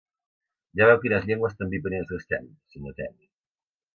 Ja veu quines llengües tan viperines gastem, senyor Ten.